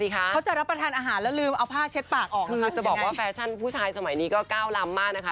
เขาจะรับประทานอาหารแล้วลืมเอาผ้าเช็ดปากออกนะคะจะบอกว่าแฟชั่นผู้ชายสมัยนี้ก็๙ลำมากนะคะ